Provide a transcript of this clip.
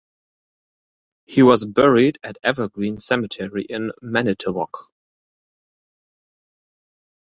He was buried at Evergreen Cemetery in Manitowoc.